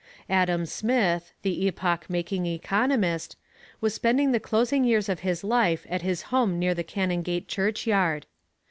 Adam Smith, the epoch making economist, was spending the closing years of his life at his home near the Canongate churchyard.